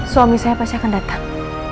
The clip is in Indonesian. suami saya pasti akan datang